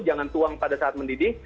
jangan tuang pada saat mendidih